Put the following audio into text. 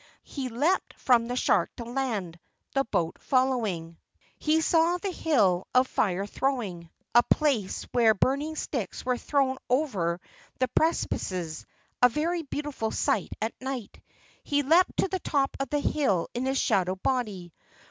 He leaped from the shark to land, the boat following. * Pelea anisata. 42 LEGENDS OF GHOSTS He saw the hill of "Fire Throwing," a place where burning sticks were thrown over the precipices, a very beautiful sight at night. He leaped to the top of the hill in his shadow body.